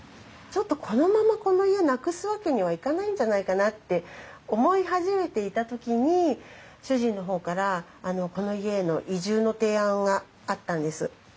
ちょっとこのままこの家なくすわけにはいかないんじゃないかなって思い始めていた時に主人の方からこの家への移住の提案があったんです。